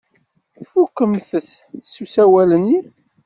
Tfukemt s usawal-nni?